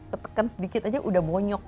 tetekan sedikit aja udah bonyok